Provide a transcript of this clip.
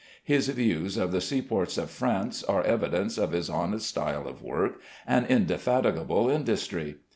His views of the seaports of France are evidence of his honest style of work and indefatigable industry.